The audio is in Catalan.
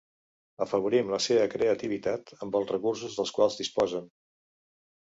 Afavorim la seva creativitat amb els recursos dels quals disposen.